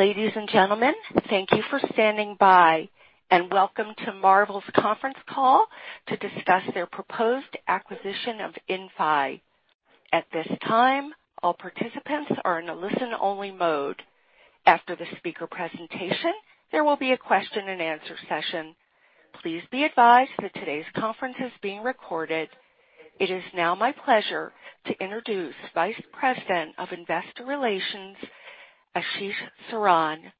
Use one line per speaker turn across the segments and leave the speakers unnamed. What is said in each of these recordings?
Ladies and gentlemen, thank you for standing by and welcome to Marvell's conference call to discuss their proposed acquisition of Inphi. At this time, all participants are in a listen-only mode. After the speaker presentation, there will be a question and answer session. Please be advised that today's conference is being recorded. It is now my pleasure to introduce Vice President of Investor Relations, Ashish Saran.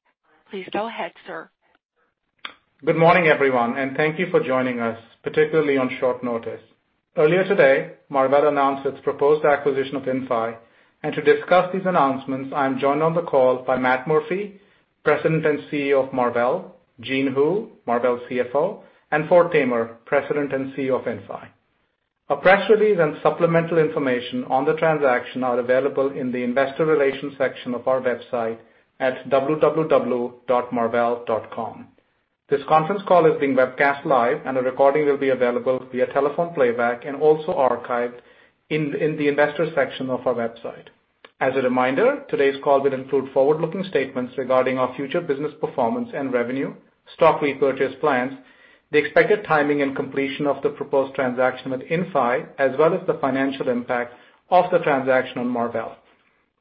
Please go ahead, sir.
Good morning, everyone, and thank you for joining us, particularly on short notice. Earlier today, Marvell announced its proposed acquisition of Inphi. To discuss these announcements, I am joined on the call by Matt Murphy, President and CEO of Marvell, Jean Hu, Marvell CFO, and Ford Tamer, President and CEO of Inphi. A press release and supplemental information on the transaction are available in the Investor Relations section of our website at www.marvell.com. This conference call is being webcast live, and a recording will be available via telephone playback and also archived in the investor section of our website. As a reminder, today's call will include forward-looking statements regarding our future business performance and revenue, stock repurchase plans, the expected timing and completion of the proposed transaction with Inphi, as well as the financial impact of the transaction on Marvell.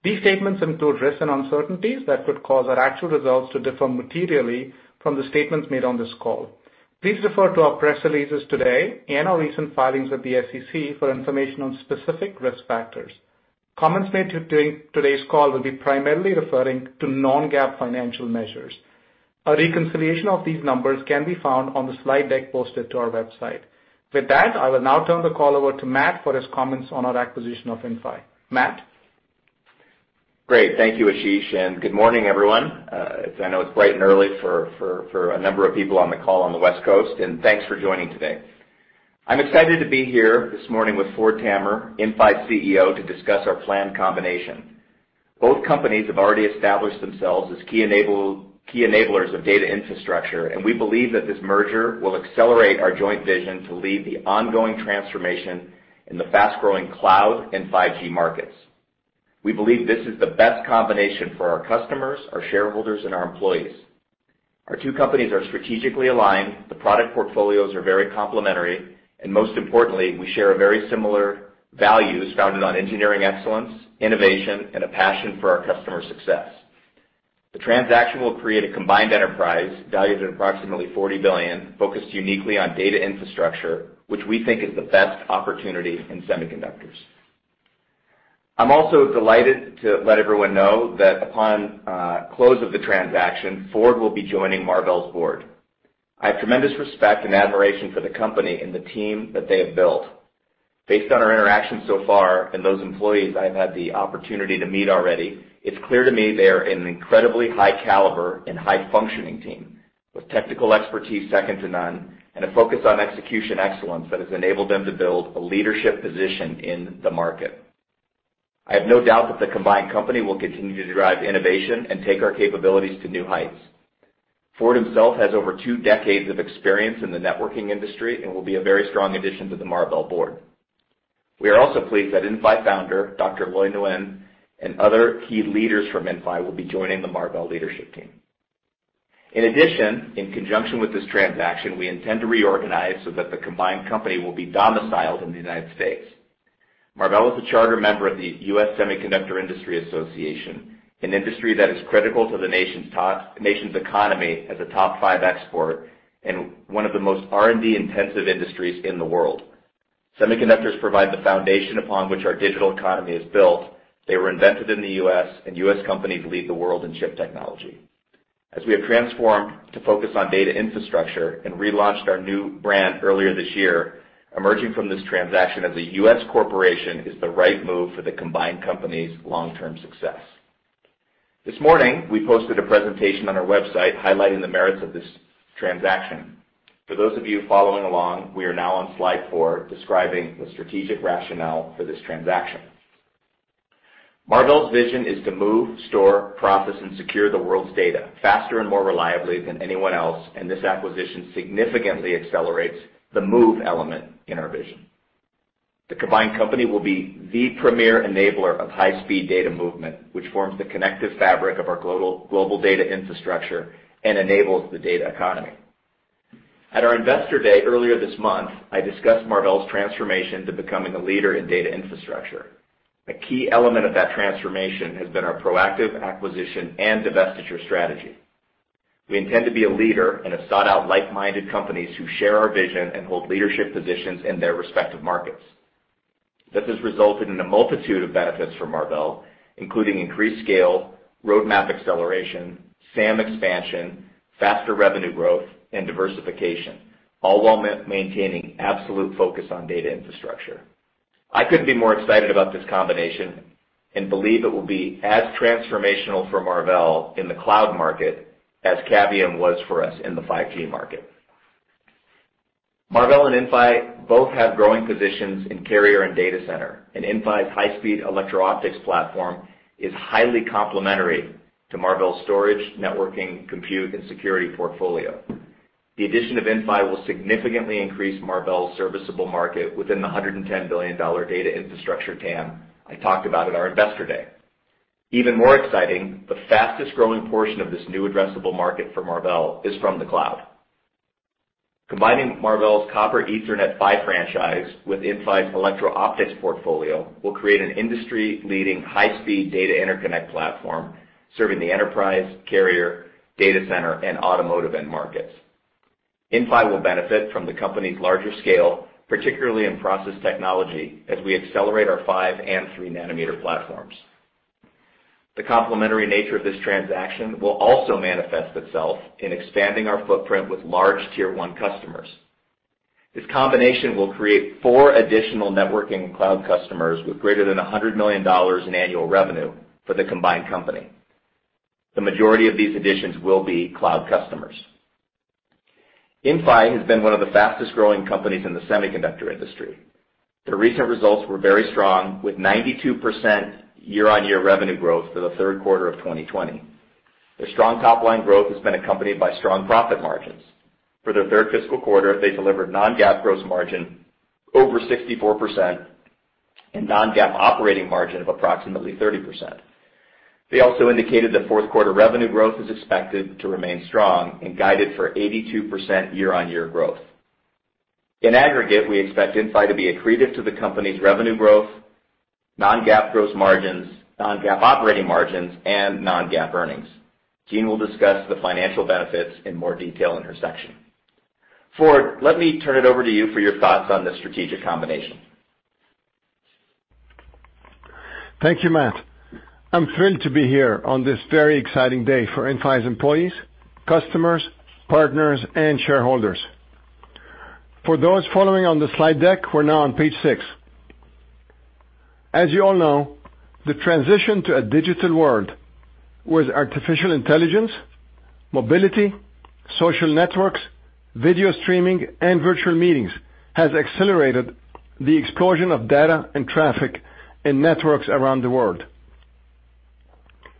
These statements include risks and uncertainties that could cause our actual results to differ materially from the statements made on this call. Please refer to our press releases today and our recent filings with the SEC for information on specific risk factors. Comments made during today's call will be primarily referring to non-GAAP financial measures. A reconciliation of these numbers can be found on the slide deck posted to our website. With that, I will now turn the call over to Matt for his comments on our acquisition of Inphi. Matt?
Great. Thank you, Ashish, and good morning, everyone. I know it's bright and early for a number of people on the call on the West Coast and thanks for joining today. I'm excited to be here this morning with Ford Tamer, Inphi's CEO, to discuss our planned combination. Both companies have already established themselves as key enablers of data infrastructure, and we believe that this merger will accelerate our joint vision to lead the ongoing transformation in the fast-growing cloud and 5G markets. We believe this is the best combination for our customers, our shareholders, and our employees. Our two companies are strategically aligned, the product portfolios are very complementary, and most importantly, we share very similar values founded on engineering excellence, innovation, and a passion for our customers' success. The transaction will create a combined enterprise valued at approximately $40 billion, focused uniquely on data infrastructure, which we think is the best opportunity in semiconductors. I'm also delighted to let everyone know that upon close of the transaction, Ford will be joining Marvell's board. I have tremendous respect and admiration for the company and the team that they have built. Based on our interactions so far and those employees I've had the opportunity to meet already, it's clear to me they are an incredibly high caliber and high functioning team with technical expertise second to none and a focus on execution excellence that has enabled them to build a leadership position in the market. I have no doubt that the combined company will continue to drive innovation and take our capabilities to new heights. Ford himself has over two decades of experience in the networking industry and will be a very strong addition to the Marvell board. We are also pleased that Inphi founder, Dr. Loi Nguyen, and other key leaders from Inphi will be joining the Marvell leadership team. In addition, in conjunction with this transaction, we intend to reorganize so that the combined company will be domiciled in the United States. Marvell is a charter member of the U.S. Semiconductor Industry Association, an industry that is critical to the nation's economy as a top five export and one of the most R&D intensive industries in the world. Semiconductors provide the foundation upon which our digital economy is built. They were invented in the U.S., and U.S. companies lead the world in chip technology. As we have transformed to focus on data infrastructure and relaunched our new brand earlier this year, emerging from this transaction as a U.S. corporation is the right move for the combined company's long-term success. This morning, we posted a presentation on our website highlighting the merits of this transaction. For those of you following along, we are now on slide four describing the strategic rationale for this transaction. Marvell's vision is to move, store, process, and secure the world's data faster and more reliably than anyone else, and this acquisition significantly accelerates the move element in our vision. The combined company will be the premier enabler of high-speed data movement, which forms the connective fabric of our global data infrastructure and enables the data economy. At our Investor Day earlier this month, I discussed Marvell's transformation to becoming a leader in data infrastructure. A key element of that transformation has been our proactive acquisition and divestiture strategy. We intend to be a leader and have sought out like-minded companies who share our vision and hold leadership positions in their respective markets. This has resulted in a multitude of benefits for Marvell, including increased scale, roadmap acceleration, SAM expansion, faster revenue growth, and diversification, all while maintaining absolute focus on data infrastructure. I couldn't be more excited about this combination and believe it will be as transformational for Marvell in the cloud market as Cavium was for us in the 5G market. Marvell and Inphi both have growing positions in carrier and data center, and Inphi's high-speed electro-optics platform is highly complementary to Marvell's storage, networking, compute, and security portfolio. The addition of Inphi will significantly increase Marvell's serviceable market within the $110 billion data infrastructure TAM I talked about at our Investor Day. Even more exciting, the fastest growing portion of this new addressable market for Marvell is from the cloud. Combining Marvell's copper Ethernet PHY franchise with Inphi's electro-optics portfolio will create an industry-leading high-speed data interconnect platform serving the enterprise, carrier, data center, and automotive end markets. Inphi will benefit from the company's larger scale, particularly in process technology, as we accelerate our 5nm and 3nm platforms. The complementary nature of this transaction will also manifest itself in expanding our footprint with large tier one customers. This combination will create four additional networking cloud customers with greater than $100 million in annual revenue for the combined company. The majority of these additions will be cloud customers. Inphi has been one of the fastest-growing companies in the semiconductor industry. Their recent results were very strong, with 92% year-on-year revenue growth for the third quarter of 2020. Their strong top-line growth has been accompanied by strong profit margins. For their third fiscal quarter, they delivered non-GAAP gross margin over 64% and non-GAAP operating margin of approximately 30%. They also indicated that fourth quarter revenue growth is expected to remain strong and guided for 82% year-on-year growth. In aggregate, we expect Inphi to be accretive to the company's revenue growth, non-GAAP gross margins, non-GAAP operating margins, and non-GAAP earnings. Jean will discuss the financial benefits in more detail in her section. Ford, let me turn it over to you for your thoughts on this strategic combination.
Thank you, Matt. I'm thrilled to be here on this very exciting day for Inphi's employees, customers, partners, and shareholders. For those following on the slide deck, we're now on page six. As you all know, the transition to a digital world with artificial intelligence, mobility, social networks, video streaming, and virtual meetings has accelerated the explosion of data and traffic in networks around the world.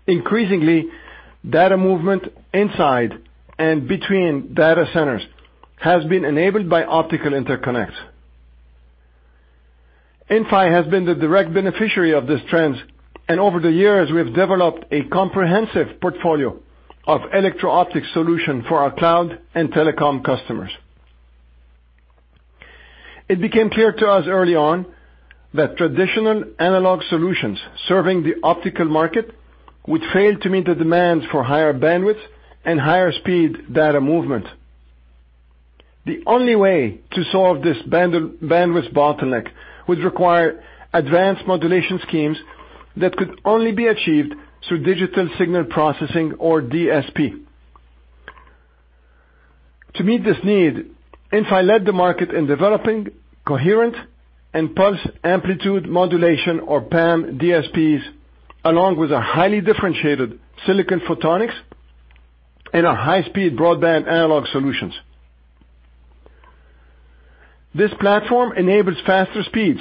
Increasingly, data movement inside and between data centers has been enabled by optical interconnects. Inphi has been the direct beneficiary of these trends, and over the years, we have developed a comprehensive portfolio of electro optics solution for our cloud and telecom customers. It became clear to us early on that traditional analog solutions serving the optical market would fail to meet the demand for higher bandwidth and higher speed data movement. The only way to solve this bandwidth bottleneck would require advanced modulation schemes that could only be achieved through digital signal processing or DSP. To meet this need, Inphi led the market in developing coherent and pulse amplitude modulation or PAM DSPs, along with a highly differentiated silicon photonics and our high-speed broadband analog solutions. This platform enables faster speeds,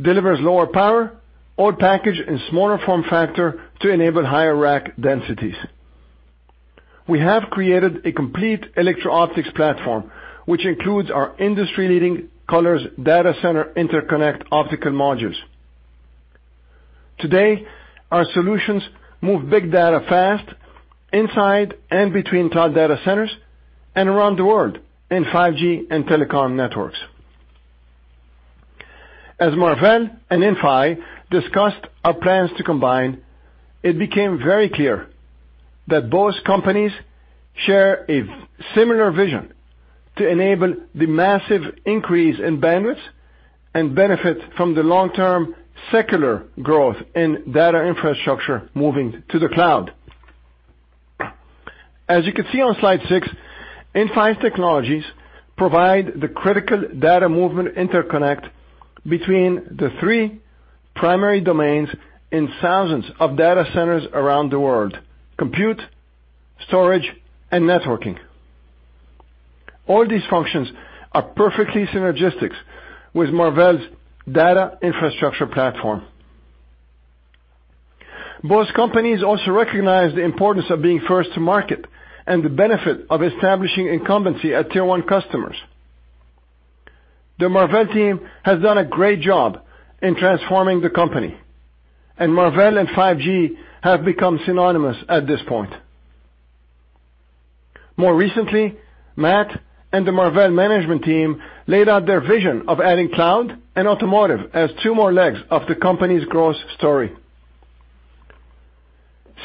delivers lower power, all packaged in smaller form factor to enable higher rack densities. We have created a complete electro optics platform, which includes our industry leading COLORZ data center interconnect optical modules. Today, our solutions move big data fast inside and between cloud data centers and around the world in 5G and telecom networks. As Marvell and Inphi discussed our plans to combine, it became very clear that both companies share a similar vision to enable the massive increase in bandwidth and benefit from the long-term secular growth in data infrastructure moving to the cloud. As you can see on slide six, Inphi's technologies provide the critical data movement interconnect between the three primary domains in thousands of data centers around the world: compute, storage, and networking. All these functions are perfectly synergistic with Marvell's data infrastructure platform. Both companies also recognize the importance of being first to market and the benefit of establishing incumbency at tier one customers. The Marvell team has done a great job in transforming the company, and Marvell and 5G have become synonymous at this point. More recently, Matt and the Marvell management team laid out their vision of adding cloud and automotive as two more legs of the company's growth story.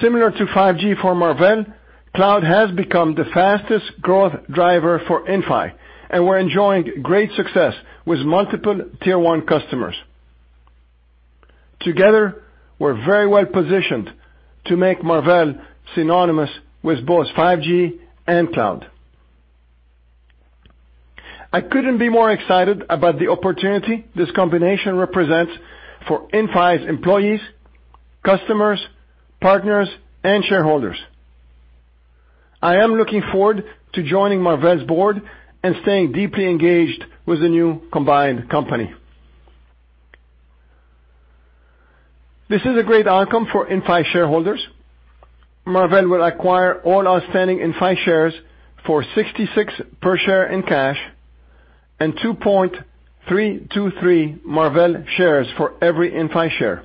Similar to 5G for Marvell, cloud has become the fastest growth driver for Inphi, and we're enjoying great success with multiple tier one customers. Together, we're very well positioned to make Marvell synonymous with both 5G and cloud. I couldn't be more excited about the opportunity this combination represents for Inphi's employees, customers, partners, and shareholders. I am looking forward to joining Marvell's board and staying deeply engaged with the new combined company. This is a great outcome for Inphi shareholders. Marvell will acquire all outstanding Inphi shares for $66 per share in cash and 2.323 Marvell shares for every Inphi share.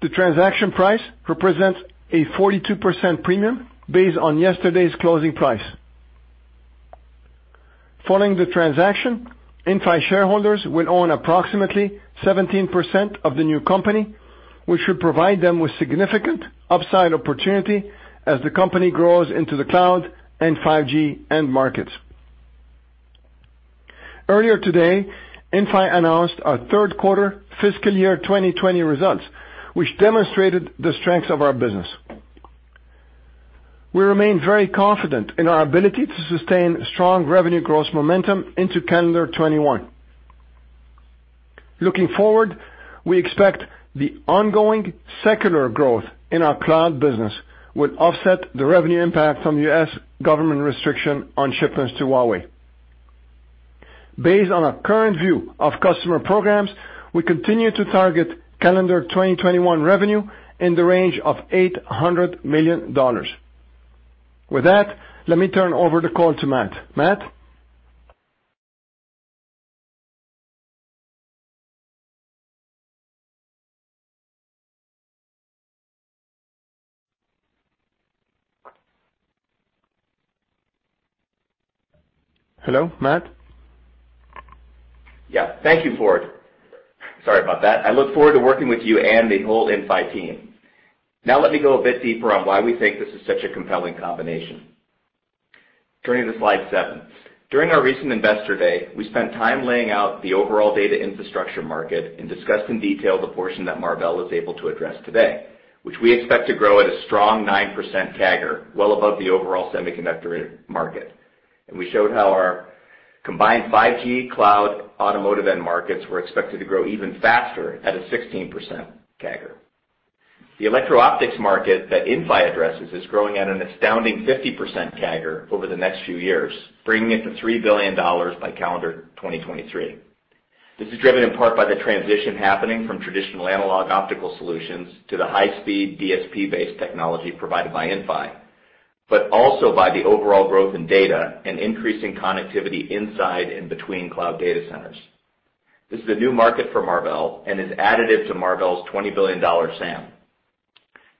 The transaction price represents a 42% premium based on yesterday's closing price. Following the transaction, Inphi shareholders will own approximately 17% of the new company, which will provide them with significant upside opportunity as the company grows into the cloud and 5G end markets. Earlier today, Inphi announced our third quarter fiscal year 2020 results which demonstrated the strengths of our business. We remain very confident in our ability to sustain strong revenue growth momentum into calendar 2021. Looking forward, we expect the ongoing secular growth in our cloud business will offset the revenue impact from U.S. government restriction on shipments to Huawei. Based on our current view of customer programs, we continue to target calendar 2021 revenue in the range of $800 million. With that, let me turn over the call to Matt. Matt? Hello, Matt?
Thank you, Ford. Sorry about that. I look forward to working with you and the whole Inphi team. Let me go a bit deeper on why we think this is such a compelling combination. Turning to slide seven. During our recent Investor Day, we spent time laying out the overall data infrastructure market and discussed in detail the portion that Marvell is able to address today, which we expect to grow at a strong 9% CAGR, well above the overall semiconductor market. We showed how our combined 5G, cloud, automotive end markets were expected to grow even faster at a 16% CAGR. The electro-optics market that Inphi addresses is growing at an astounding 50% CAGR over the next few years, bringing it to $3 billion by calendar 2023. This is driven in part by the transition happening from traditional analog optical solutions to the high-speed DSP-based technology provided by Inphi but also by the overall growth in data and increasing connectivity inside and between cloud data centers. This is a new market for Marvell and is additive to Marvell's $20 billion SAM.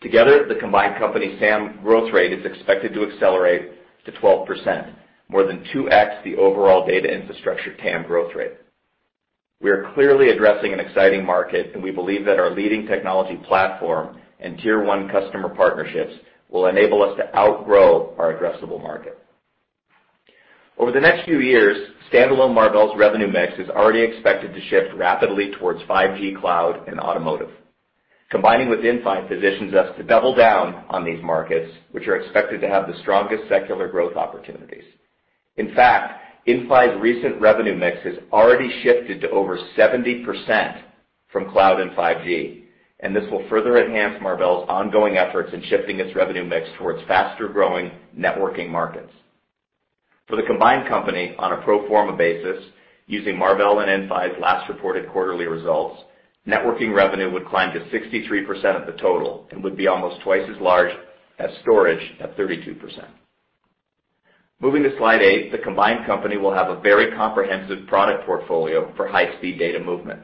Together, the combined company SAM growth rate is expected to accelerate to 12%, more than 2X the overall data infrastructure TAM growth rate. We are clearly addressing an exciting market, and we believe that our leading technology platform and tier one customer partnerships will enable us to outgrow our addressable market. Over the next few years, standalone Marvell's revenue mix is already expected to shift rapidly towards 5G, cloud, and automotive. Combining with Inphi positions us to double down on these markets, which are expected to have the strongest secular growth opportunities. In fact, Inphi's recent revenue mix has already shifted to over 70% from cloud and 5G, and this will further enhance Marvell's ongoing efforts in shifting its revenue mix towards faster-growing networking markets. For the combined company on a pro forma basis, using Marvell and Inphi's last reported quarterly results, networking revenue would climb to 63% of the total and would be almost twice as large as storage at 32%. Moving to slide eight, the combined company will have a very comprehensive product portfolio for high-speed data movement.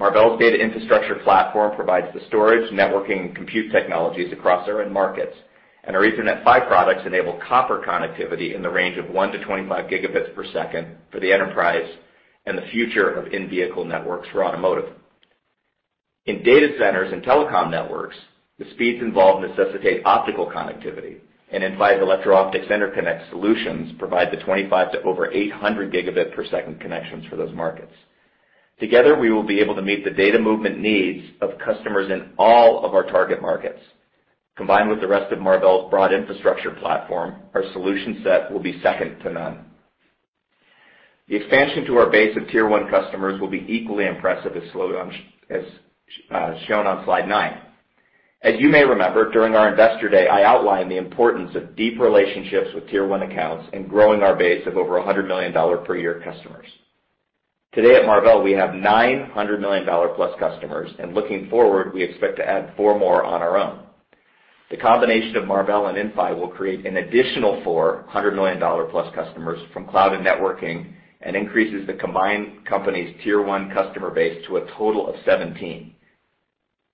Marvell's data infrastructure platform provides the storage, networking, and compute technologies across our end markets, and our Ethernet PHY products enable copper connectivity in the range of 1Gbps-25Gbps for the enterprise and the future of in-vehicle networks for automotive. In data centers and telecom networks, the speeds involved necessitate optical connectivity, Inphi's electro-optics interconnect solutions provide the 25Gbps to over 800Gbps connections for those markets. Together, we will be able to meet the data movement needs of customers in all of our target markets. Combined with the rest of Marvell's broad infrastructure platform, our solution set will be second to none. The expansion to our base of tier one customers will be equally impressive, as shown on slide nine. As you may remember, during our Investor Day, I outlined the importance of deep relationships with tier one accounts and growing our base of over $100 million per year customers. Today at Marvell, we have nine $100 million-plus customers, and looking forward, we expect to add four more on our own. The combination of Marvell and Inphi will create an additional four $100 million-plus customers from cloud and networking and increases the combined company's tier one customer base to a total of 17.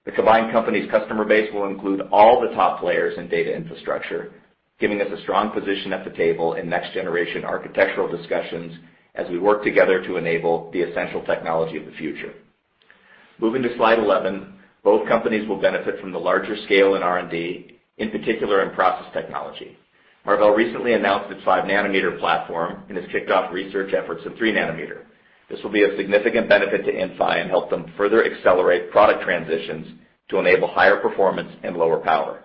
The combined company's customer base will include all the top players in data infrastructure, giving us a strong position at the table in next-generation architectural discussions as we work together to enable the essential technology of the future. Moving to slide 11, both companies will benefit from the larger scale in R&D, in particular in process technology. Marvell recently announced its 5-nm platform and has kicked off research efforts in 3nm. This will be a significant benefit to Inphi and help them further accelerate product transitions to enable higher performance and lower power.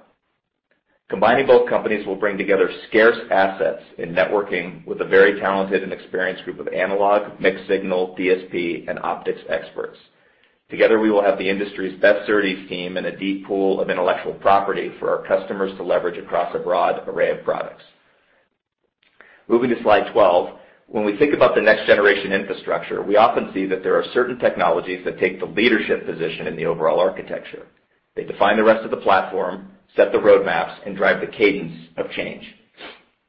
Combining both companies will bring together scarce assets in networking with a very talented and experienced group of analog, mixed-signal, DSP, and optics experts. Together, we will have the industry's best SerDes team and a deep pool of intellectual property for our customers to leverage across a broad array of products. Moving to slide 12. When we think about the next generation infrastructure, we often see that there are certain technologies that take the leadership position in the overall architecture. They define the rest of the platform, set the roadmaps, and drive the cadence of change.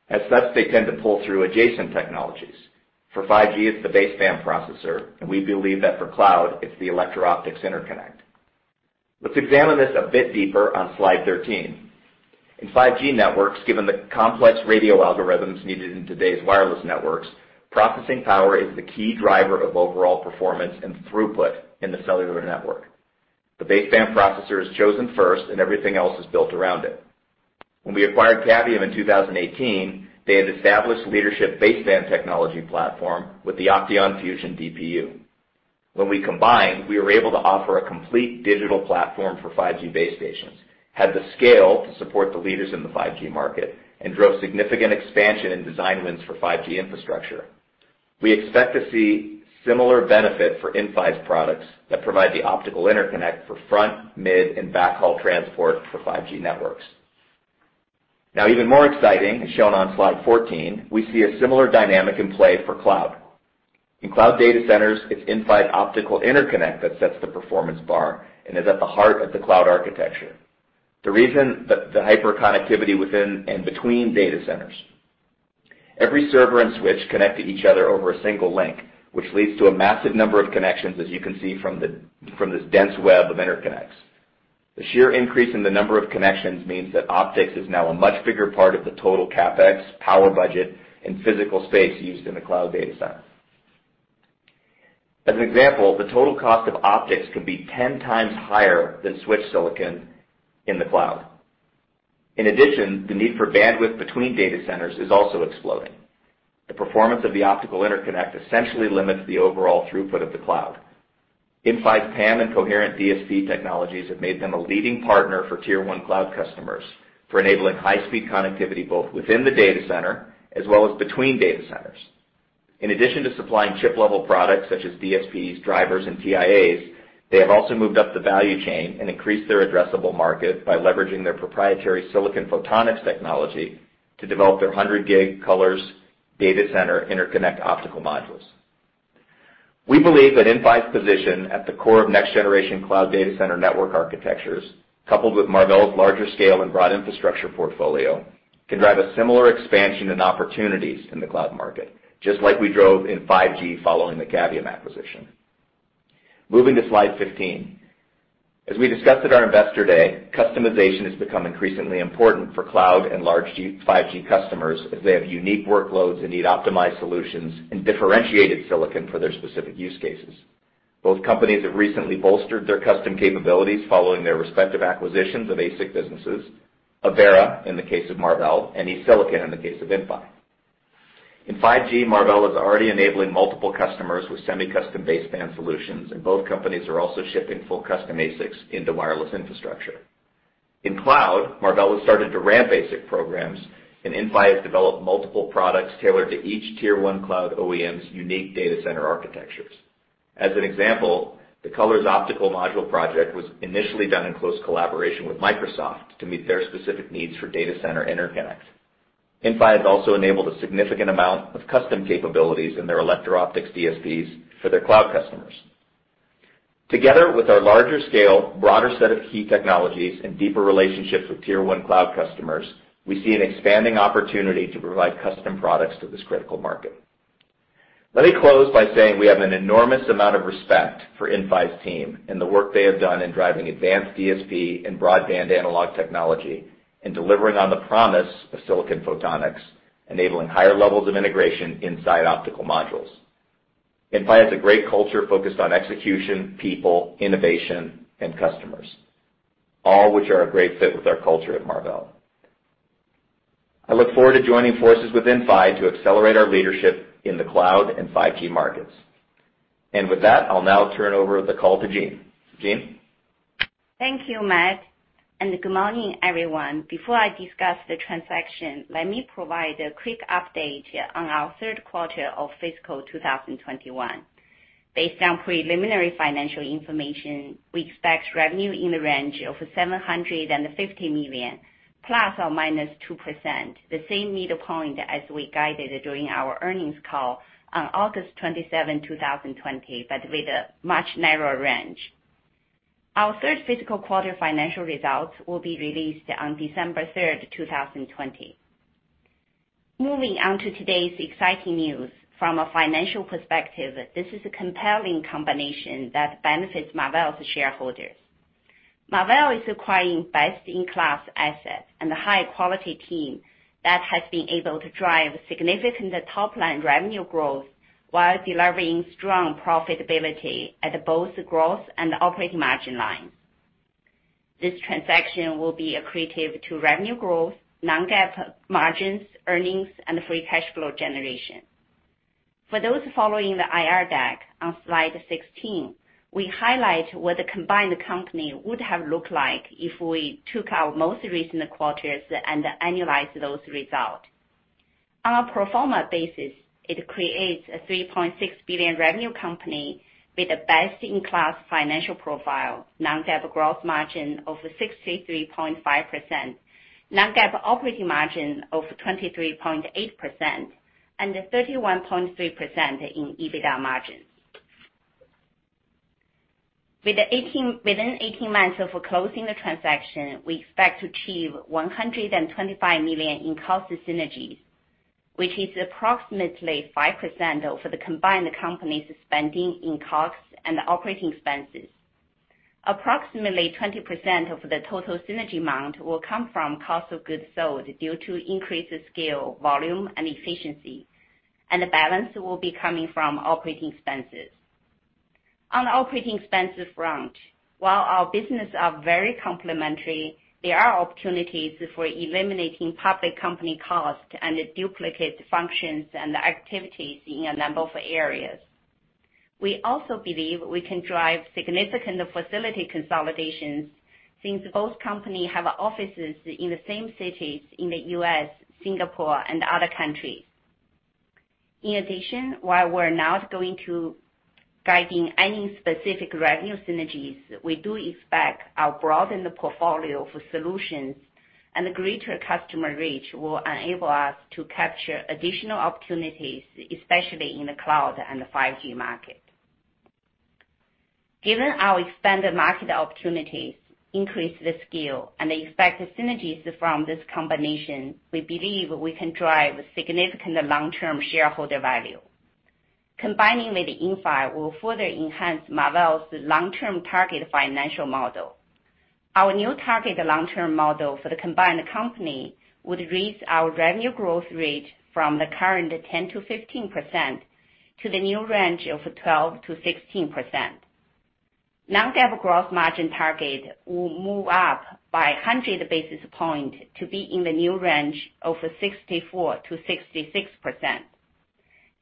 As such, they tend to pull through adjacent technologies. For 5G, it's the baseband processor, and we believe that for cloud it's the electro optics interconnect. Let's examine this a bit deeper on slide 13. In 5G networks, given the complex radio algorithms needed in today's wireless networks, processing power is the key driver of overall performance and throughput in the cellular network. The baseband processor is chosen first and everything else is built around it. When we acquired Cavium in 2018, they had established leadership baseband technology platform with the OCTEON Fusion DPU. When we combined, we were able to offer a complete digital platform for 5G base stations, had the scale to support the leaders in the 5G market, and drove significant expansion in design wins for 5G infrastructure. We expect to see similar benefit for Inphi's products that provide the optical interconnect for front, mid, and backhaul transport for 5G networks. Now even more exciting, as shown on slide 14, we see a similar dynamic in play for cloud. In cloud data centers, it's Inphi's optical interconnect that sets the performance bar and is at the heart of the cloud architecture. The reason the hyper connectivity within and between data centers. Every server and switch connect to each other over a single link, which leads to a massive number of connections, as you can see from this dense web of interconnects. The sheer increase in the number of connections means that optics is now a much bigger part of the total CapEx power budget and physical space used in the cloud data center. As an example, the total cost of optics can be 10 times higher than switch silicon in the cloud. In addition, the need for bandwidth between data centers is also exploding. The performance of the optical interconnect essentially limits the overall throughput of the cloud. Inphi's PAM and coherent DSP technologies have made them a leading partner for tier one cloud customers for enabling high speed connectivity both within the data center as well as between data centers. In addition to supplying chip-level products such as DSPs, drivers, and TIAs, they have also moved up the value chain and increased their addressable market by leveraging their proprietary silicon photonics technology to develop their 100G COLORZ data center interconnect optical modules. We believe that Inphi's position at the core of next generation cloud data center network architectures, coupled with Marvell's larger scale and broad infrastructure portfolio, can drive a similar expansion and opportunities in the cloud market, just like we drove in 5G following the Cavium acquisition. Moving to slide 15. As we discussed at our Investor Day, customization has become increasingly important for cloud and large 5G customers as they have unique workloads and need optimized solutions and differentiated silicon for their specific use cases. Both companies have recently bolstered their custom capabilities following their respective acquisitions of ASIC businesses, Avera in the case of Marvell and eSilicon in the case of Inphi. In 5G, Marvell is already enabling multiple customers with semi-custom baseband solutions, and both companies are also shipping full custom ASICs into wireless infrastructure. In cloud, Marvell has started to ramp ASIC programs and Inphi has developed multiple products tailored to each tier one cloud OEM's unique data center architectures. As an example, the COLORZ optical module project was initially done in close collaboration with Microsoft to meet their specific needs for data center interconnect. Inphi has also enabled a significant amount of custom capabilities in their electro optics DSPs for their cloud customers. Together with our larger scale, broader set of key technologies and deeper relationships with tier one cloud customers, we see an expanding opportunity to provide custom products to this critical market. Let me close by saying we have an enormous amount of respect for Inphi's team and the work they have done in driving advanced DSP and broadband analog technology and delivering on the promise of silicon photonics, enabling higher levels of integration inside optical modules. Inphi has a great culture focused on execution, people, innovation, and customers, all which are a great fit with our culture at Marvell. I look forward to joining forces with Inphi to accelerate our leadership in the cloud and 5G markets. With that, I'll now turn over the call to Jean. Jean?
Thank you, Matt. Good morning, everyone. Before I discuss the transaction, let me provide a quick update on our third quarter of fiscal 2021. Based on preliminary financial information, we expect revenue in the range of $750 million ±2%, the same midpoint as we guided during our earnings call on August 27, 2020 but with a much narrower range. Our third fiscal quarter financial results will be released on December 3, 2020. Moving on to today's exciting news. From a financial perspective, this is a compelling combination that benefits Marvell's shareholders. Marvell is acquiring best-in-class assets and a high-quality team that has been able to drive significant top-line revenue growth while delivering strong profitability at both growth and operating margin lines. This transaction will be accretive to revenue growth, non-GAAP margins, earnings, and free cash flow generation. For those following the IR deck on slide 16, we highlight what the combined company would have looked like if we took our most recent quarters and annualized those results. On a pro forma basis, it creates a $3.6 billion revenue company with a best-in-class financial profile, non-GAAP gross margin of 63.5%, non-GAAP operating margin of 23.8%, and 31.3% in EBITDA margin. Within 18 months of closing the transaction, we expect to achieve $125 million in cost synergies, which is approximately 5% of the combined company's spending in COGS and operating expenses. Approximately 20% of the total synergy amount will come from cost of goods sold due to increased scale, volume, and efficiency, and the balance will be coming from operating expenses. On the operating expenses front, while our businesses are very complementary, there are opportunities for eliminating public company costs and duplicate functions and activities in a number of areas. We also believe we can drive significant facility consolidations since both companies have offices in the same cities in the U.S., Singapore, and other countries. In addition, while we're not going to guide any specific revenue synergies, we do expect our broadened portfolio for solutions and greater customer reach will enable us to capture additional opportunities, especially in the cloud and the 5G market. Given our expanded market opportunities, increased scale, and the expected synergies from this combination, we believe we can drive significant long-term shareholder value. Combining with Inphi will further enhance Marvell's long-term target financial model. Our new target long-term model for the combined company would raise our revenue growth rate from the current 10%-15% to the new range of 12%-16%. Non-GAAP gross margin target will move up by 100 basis points to be in the new range of 64%-66%.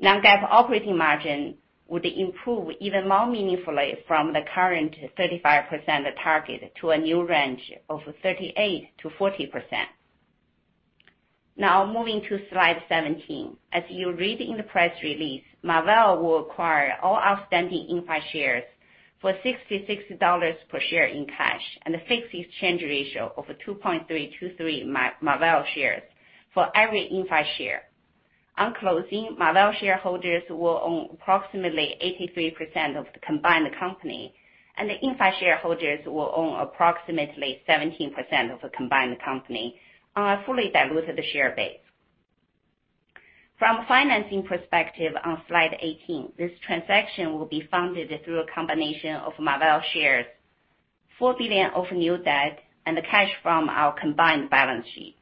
Non-GAAP operating margin would improve even more meaningfully from the current 35% target to a new range of 38%-40%. Moving to slide 17. As you read in the press release, Marvell will acquire all outstanding Inphi shares for $66 per share in cash and a fixed exchange ratio of 2.323 Marvell shares for every Inphi share. On closing, Marvell shareholders will own approximately 83% of the combined company, and the Inphi shareholders will own approximately 17% of the combined company on a fully diluted share base. From a financing perspective, on slide 18, this transaction will be funded through a combination of Marvell shares, $4 billion of new debt, and the cash from our combined balance sheet.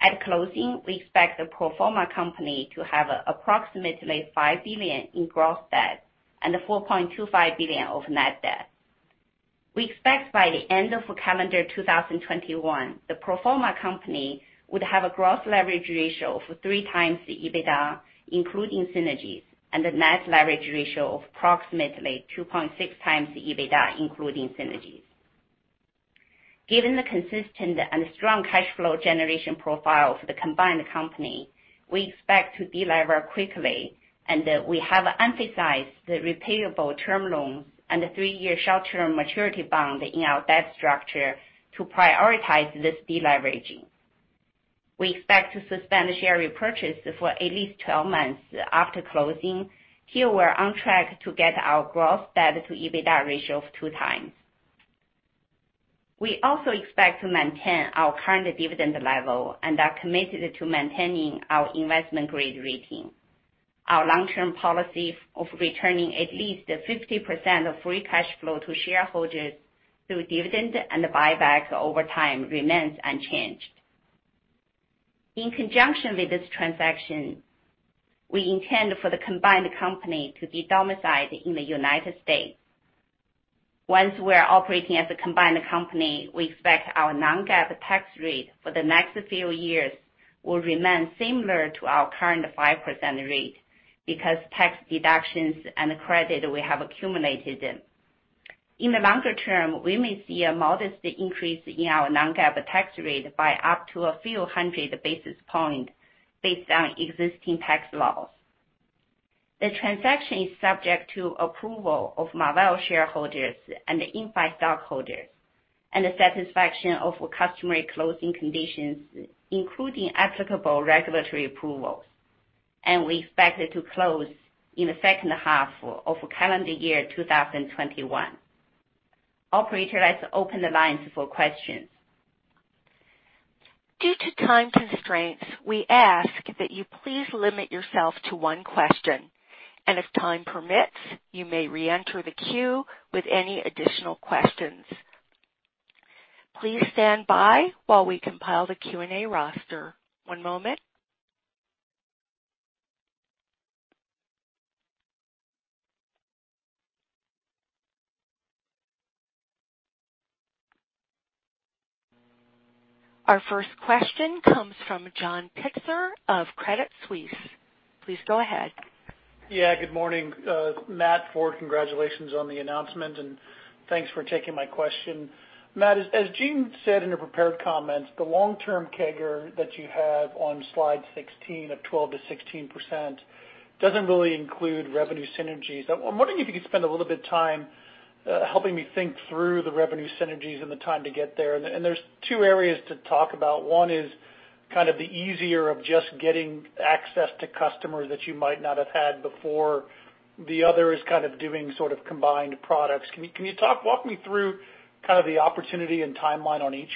At closing, we expect the pro forma company to have approximately $5 billion in gross debt and $4.25 billion of net debt. We expect by the end of calendar 2021, the pro forma company would have a gross leverage ratio of three times the EBITDA, including synergies, and a net leverage ratio of approximately 2.6x the EBITDA, including synergies. Given the consistent and strong cash flow generation profile for the combined company, we expect to delever quickly, and we have emphasized the prepayable term loans and the three-year short-term maturity bond in our debt structure to prioritize this deleveraging. We expect to suspend the share repurchase for at least 12 months after closing. Here, we're on track to get our gross debt to EBITDA ratio of two times. We also expect to maintain our current dividend level and are committed to maintaining our investment-grade rating. Our long-term policy of returning at least 50% of free cash flow to shareholders through dividends and buybacks over time remains unchanged. In conjunction with this transaction, we intend for the combined company to be domiciled in the United States. Once we're operating as a combined company, we expect our non-GAAP tax rate for the next few years will remain similar to our current 5% rate because tax deductions and credit we have accumulated. In the longer term, we may see a modest increase in our non-GAAP tax rate by up to a few hundred basis points based on existing tax laws. The transaction is subject to approval of Marvell shareholders and Inphi stockholders and the satisfaction of customary closing conditions, including applicable regulatory approvals. We expect it to close in the second half of calendar year 2021. Operator, let's open the lines for questions.
Due to time constraints, we ask that you please limit yourself to one question, and if time permits, you may reenter the queue with any additional questions. Please stand by while we compile the Q&A roster. One moment. Our first question comes from John Pitzer of Credit Suisse. Please go ahead.
Yeah, good morning. Matt, Ford, congratulations on the announcement, and thanks for taking my question. Matt, as Jean said in her prepared comments, the long-term CAGR that you have on slide 16 of 12%-16% doesn't really include revenue synergies. I'm wondering if you could spend a little bit of time helping me think through the revenue synergies and the time to get there. There's two areas to talk about. One is kind of the easier of just getting access to customers that you might not have had before. The other is kind of doing sort of combined products. Walk me through kind of the opportunity and timeline on each.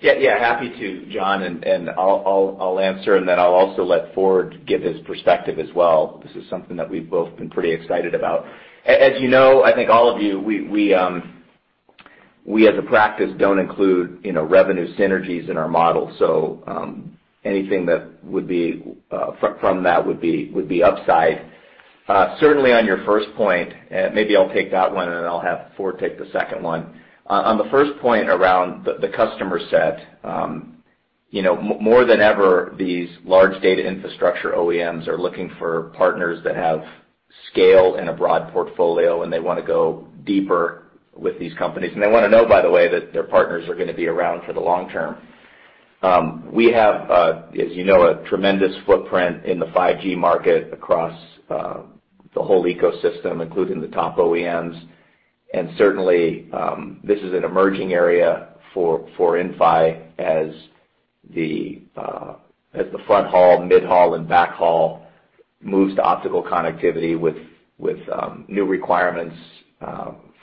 Yeah. Happy to, John, and I'll answer, and then I'll also let Ford give his perspective as well. This is something that we've both been pretty excited about. As you know, I think all of you, we as a practice don't include revenue synergies in our model. Anything that would be from that would be upside. Certainly on your first point, maybe I'll take that one and then I'll have Ford take the second one. On the first point around the customer set, more than ever, these large data infrastructure OEMs are looking for partners that have scale and a broad portfolio, and they want to go deeper with these companies. They want to know, by the way, that their partners are going to be around for the long term. We have, as you know, a tremendous footprint in the 5G market across the whole ecosystem, including the top OEMs. Certainly, this is an emerging area for Inphi as the front haul, mid-haul, and backhaul moves to optical connectivity with new requirements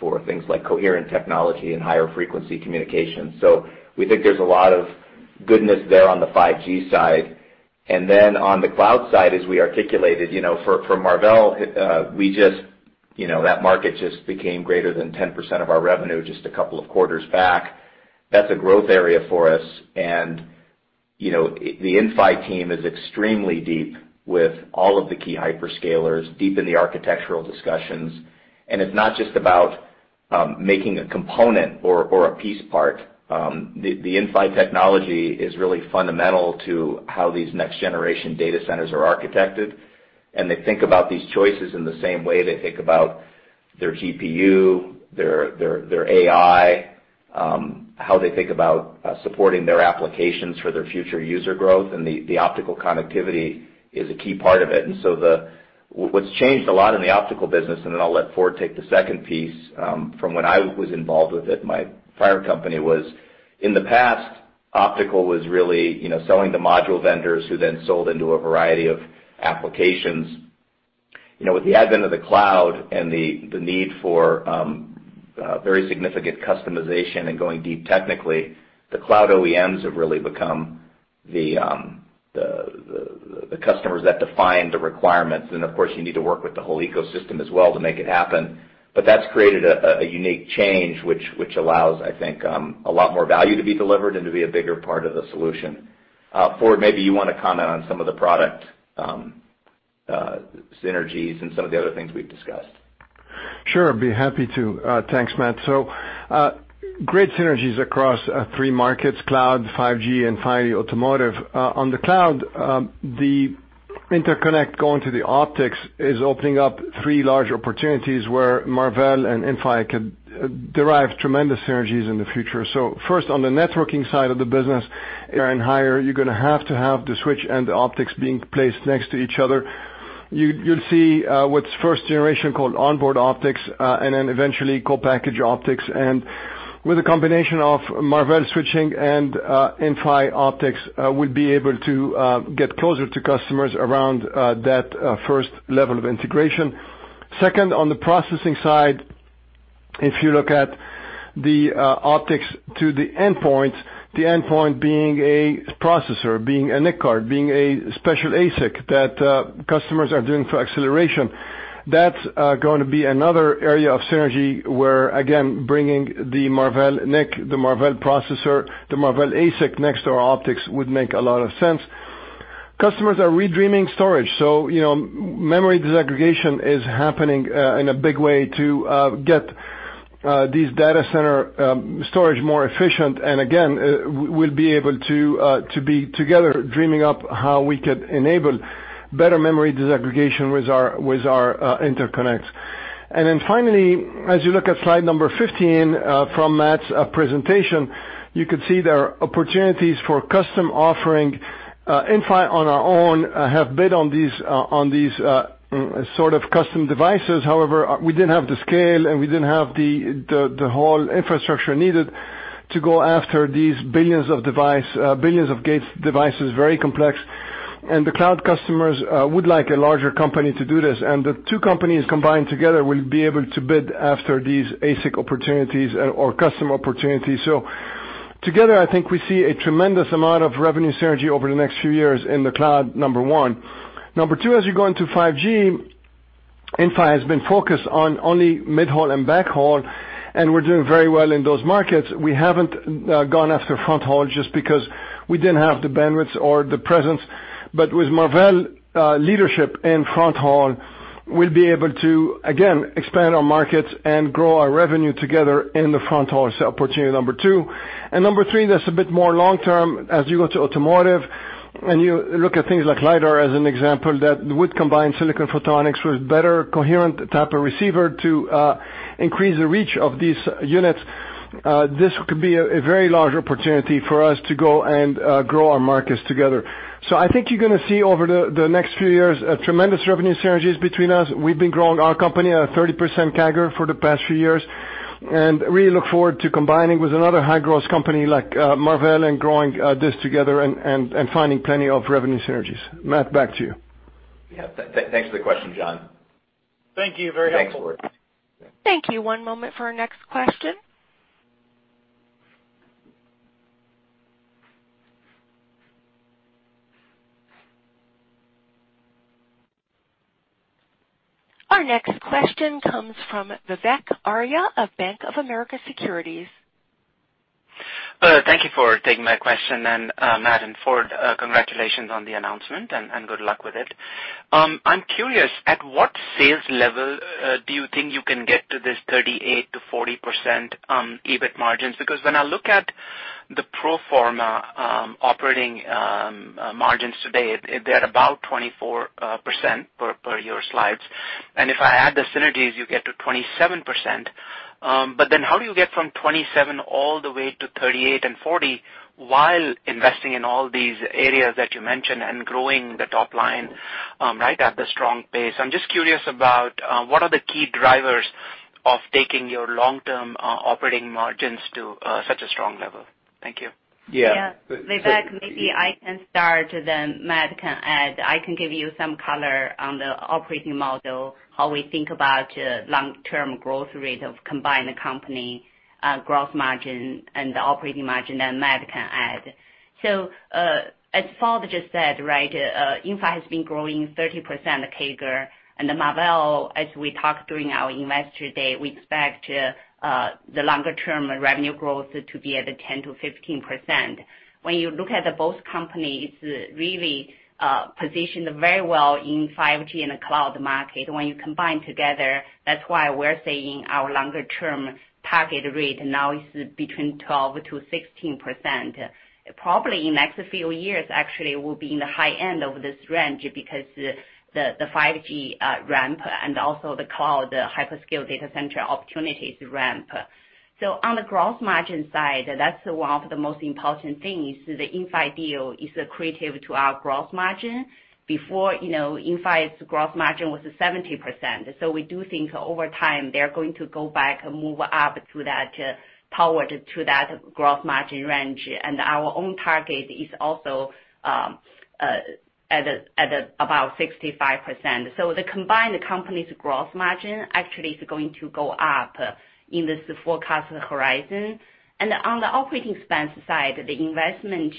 for things like coherent technology and higher frequency communication. We think there's a lot of goodness there on the 5G side. On the cloud side, as we articulated, for Marvell, that market just became greater than 10% of our revenue just a couple of quarters back. That's a growth area for us, and the Inphi team is extremely deep with all of the key hyperscalers, deep in the architectural discussions. It's not just about making a component or a piece part. The Inphi technology is really fundamental to how these next generation data centers are architected, and they think about these choices in the same way they think about their GPU, their AI, how they think about supporting their applications for their future user growth, and the optical connectivity is a key part of it. What's changed a lot in the optical business, and then I'll let Ford take the second piece, from when I was involved with it, my prior company was, in the past, optical was really selling to module vendors who then sold into a variety of applications. With the advent of the cloud and the need for very significant customization and going deep technically, the cloud OEMs have really become the customers that define the requirements. Of course, you need to work with the whole ecosystem as well to make it happen. That's created a unique change, which allows, I think, a lot more value to be delivered and to be a bigger part of the solution. Ford, maybe you want to comment on some of the product synergies and some of the other things we've discussed.
Sure. I'd be happy to. Thanks, Matt. Great synergies across three markets, cloud, 5G, and finally automotive. On the cloud, the interconnect going to the optics is opening up three large opportunities where Marvell and Inphi could derive tremendous synergies in the future. First, on the networking side of the business and higher, you're going to have to have the switch and the optics being placed next to each other. You'll see what's first generation called onboard optics, and then eventually co-packaged optics. With a combination of Marvell switching and Inphi optics, we'll be able to get closer to customers around that first level of integration. Second, on the processing side, if you look at the optics to the endpoint, the endpoint being a processor, being a NIC card, being a special ASIC that customers are doing for acceleration. That's going to be another area of synergy where, again, bringing the Marvell NIC, the Marvell processor, the Marvell ASIC next to our optics would make a lot of sense. Customers are re-dreaming storage. Memory disaggregation is happening in a big way to get these data center storage more efficient. Again, we'll be able to be together, dreaming up how we could enable better memory disaggregation with our interconnects. Then finally, as you look at slide number 15 from Matt's presentation, you could see there are opportunities for custom offering. Inphi on our own have bid on these sort of custom devices. However, we didn't have the scale, and we didn't have the whole infrastructure needed to go after these billions of gates devices, very complex. The cloud customers would like a larger company to do this. The two companies combined together will be able to bid after these ASIC opportunities or custom opportunities. Together, I think we see a tremendous amount of revenue synergy over the next few years in the cloud, number one. Number two, as you go into 5G, Inphi has been focused on only mid-haul and backhaul, and we're doing very well in those markets. We haven't gone after front haul just because we didn't have the bandwidth or the presence. With Marvell leadership in front haul, we'll be able to, again, expand our markets and grow our revenue together in the front haul. Opportunity number two. Number three, that's a bit more long-term. As you go to automotive and you look at things like LIDAR as an example, that would combine silicon photonics with better coherent type of receiver to increase the reach of these units. This could be a very large opportunity for us to go and grow our markets together. I think you're going to see over the next few years, tremendous revenue synergies between us. We've been growing our company at a 30% CAGR for the past few years, and really look forward to combining with another high-growth company like Marvell and growing this together and finding plenty of revenue synergies. Matt, back to you.
Yeah. Thanks for the question, John.
Thank you. Very helpful.
Thanks, Ford.
Thank you. One moment for our next question. Our next question comes from Vivek Arya of Bank of America Securities.
Thank you for taking my question. Matt and Ford, congratulations on the announcement and good luck with it. I'm curious, at what sales level do you think you can get to this 38%-40% EBIT margins? When I look at the pro forma operating margins today, they're about 24% per your slides. If I add the synergies, you get to 27%. How do you get from 27 all the way to 38% and 40% while investing in all these areas that you mentioned and growing the top line right at the strong pace? I'm just curious about what are the key drivers of taking your long-term operating margins to such a strong level. Thank you.
Yeah.
Yeah. Vivek, maybe I can start, then Matt can add. I can give you some color on the operating model, how we think about long-term growth rate of combined company, gross margin and the operating margin, then Matt can add. As Ford just said, right, Inphi has been growing 30% CAGR. Marvell, as we talked during our Investor Day, we expect the longer-term revenue growth to be at 10%-15%. When you look at both companies really positioned very well in 5G and the cloud market when you combine together, that's why we're saying our longer-term target rate now is between 12%-16%. Probably in next few years, actually, will be in the high end of this range because the 5G ramp and also the cloud hyperscale data center opportunities ramp. On the gross margin side, that's one of the most important things. The Inphi deal is accreative to our gross margin. Before, Inphi's gross margin was 70%. We do think over time, they're going to go back and move up to that, powered to that gross margin range. Our own target is also at about 65%. The combined company's gross margin actually is going to go up in this forecast horizon. On the operating expense side, the investment,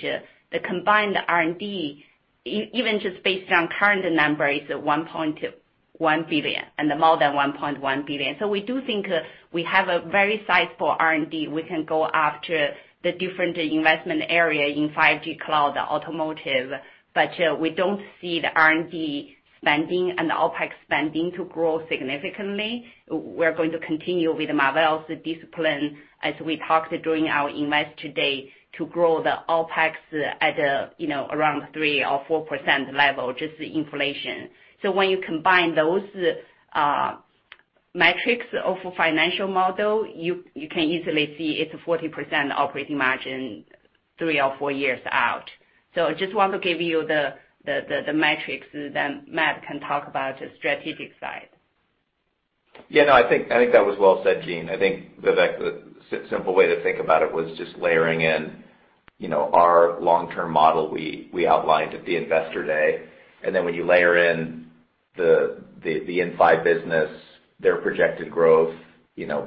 the combined R&D, even just based on current number, is $1.1 billion and more than $1.1 billion. We do think we have a very sizable R&D. We can go after the different investment area in 5G, cloud, automotive but we don't see the R&D spending and the OpEx spending to grow significantly. We're going to continue with Marvell's discipline, as we talked during our Investor Day, to grow the OpEx at around 3% or 4% level, just the inflation. When you combine those metrics of financial model, you can easily see it's 40% operating margin three or four years out. Just want to give you the metrics, then Matt can talk about strategic side.
Yeah, no, I think that was well said, Jean. I think, Vivek, the simple way to think about it was just layering in our long-term model we outlined at the Investor Day. When you layer in the Inphi business, their projected growth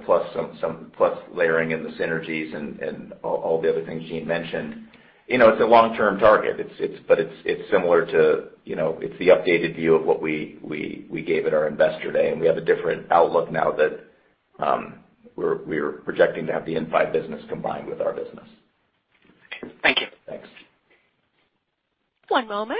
plus layering in the synergies and all the other things Jean mentioned, it's a long-term target but it's similar to the updated view of what we gave at our Investor Day, and we have a different outlook now that we're projecting to have the Inphi business combined with our business.
Okay. Thank you.
Thanks.
One moment.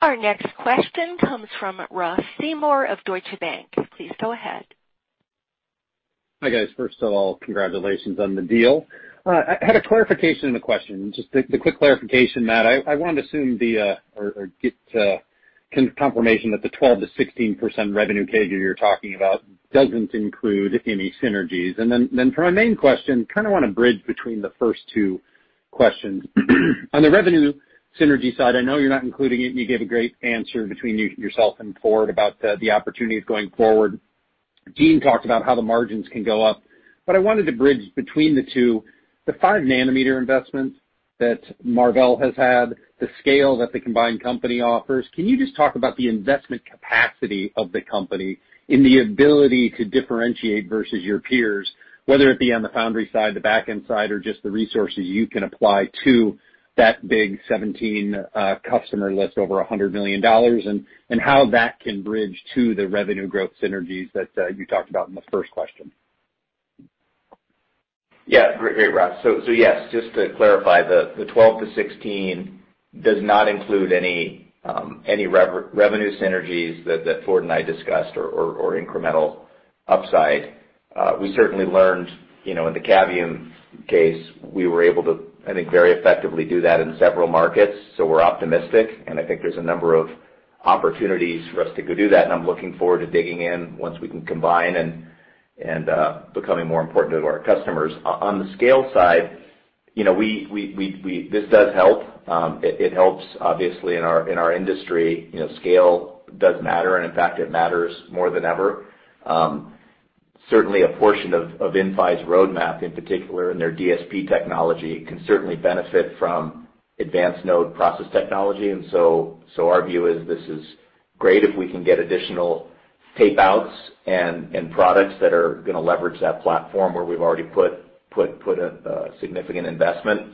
Our next question comes from Ross Seymore of Deutsche Bank. Please go ahead.
Hi, guys. First of all, congratulations on the deal. I had a clarification and a question. Just the quick clarification, Matt. I wanted to get confirmation that the 12%-16% revenue CAGR you're talking about doesn't include any synergies. For my main question, kind of want to bridge between the first two questions. On the revenue synergy side, I know you're not including it, and you gave a great answer between yourself and Ford about the opportunities going forward. Jean talked about how the margins can go up, I wanted to bridge between the two. The 5-nm investments that Marvell has had, the scale that the combined company offers, can you just talk about the investment capacity of the company and the ability to differentiate versus your peers, whether it be on the foundry side, the back-end side, or just the resources you can apply to that big 17 customer list over $100 million, and how that can bridge to the revenue growth synergies that you talked about in the first question?
Great, Ross. Yes, just to clarify, the 12%-16% does not include any revenue synergies that Ford and I discussed or incremental upside. We certainly learned in the Cavium case, we were able to, I think, very effectively do that in several markets. We're optimistic, and I think there's a number of opportunities for us to go do that. I'm looking forward to digging in once we can combine and becoming more important to our customers. On the scale side, this does help. It helps, obviously, in our industry. Scale does matter, and in fact, it matters more than ever. Certainly a portion of Inphi's roadmap, in particular in their DSP technology, can certainly benefit from advanced node process technology. Our view is this is great if we can get additional tapeouts and products that are going to leverage that platform where we've already put a significant investment.